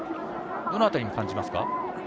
どの辺りに感じますか？